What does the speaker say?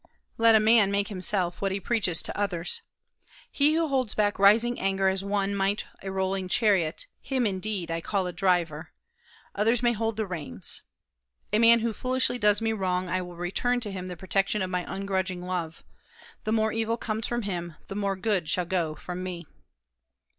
Let a man make himself what he preaches to others.... He who holds back rising anger as one might a rolling chariot, him, indeed, I call a driver; others may hold the reins.... A man who foolishly does me wrong, I will return to him the protection of my ungrudging love; the more evil comes from him, the more good shall go from me."